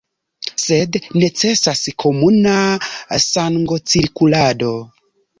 Sed necesas komuna sangocirkulado.